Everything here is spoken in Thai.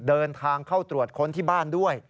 เดินทางเข้าตรวจค้นที่บ้านด้วย